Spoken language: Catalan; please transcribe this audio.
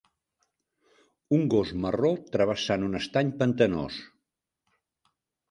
Un gos marró travessant un estany pantanós.